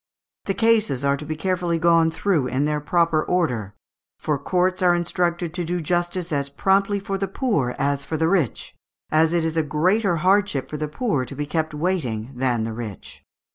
The cases are to be carefully gone through in their proper order; for courts are instructed to do justice as promptly for the poor as for the rich, as it is a greater hardship for the poor to be kept waiting than the rich."